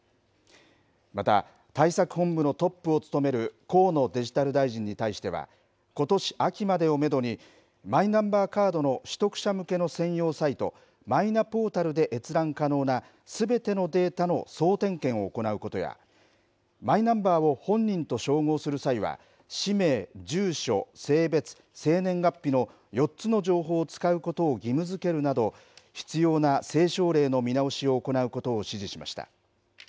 また対策本部のトップを務める河野デジタル大臣に対しては、ことし秋までをメドに、マイナンバーカードの取得者向けの専用サイト、マイナポータルで閲覧可能なすべてのデータの総点検を行うことや、マイナンバーを本人と照合する際は氏名、住所、性別、生年月日の４つの情報を使うことを義務づけるなど、必要な政省令の見直しを行うことを指示しました。